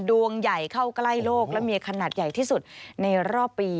ดวงใหญ่เข้าใกล้โลกและมีขนาดใหญ่ที่สุดในรอบปี